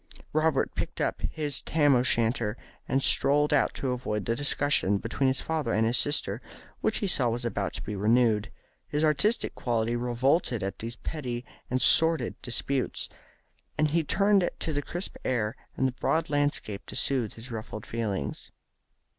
Robert picked up his Tam o' Shanter and strolled out to avoid the discussion between his father and sister, which he saw was about to be renewed. His artistic nature revolted at these petty and sordid disputes, and he turned to the crisp air and the broad landscape to soothe his ruffled feelings.